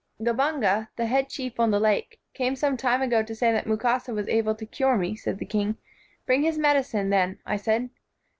"Gabunga [the head chief on the lake] came some time ago to say that Mukasa was able to cure me," said the king. " 'Bring his medicine, then,' I said.